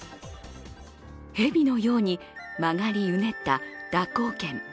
蛇のように曲がりうねった蛇行剣。